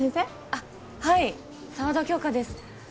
あっはい沢田杏花です